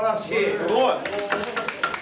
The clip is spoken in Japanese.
すごい！